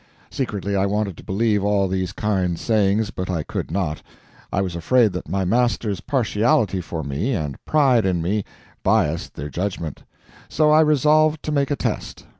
Secretly I wanted to believe all these kind sayings, but I could not; I was afraid that my masters' partiality for me, and pride in me, biased their judgment. So I resolved to make a test.